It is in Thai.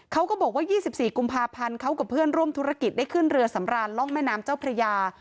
เขาก็บอกว่า๒๔กุมภาพันธ์เขากับเพื่อนร่วมธุรกิจได้ขึ้นเรือสำรานล่องแม่น้ำเจ้าพระยา